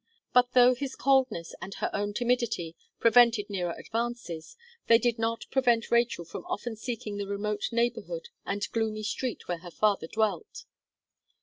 But, though his coldness and her own timidity prevented nearer advances, they did not prevent Rachel from often seeking the remote neighbourhood and gloomy street where her father dwelt.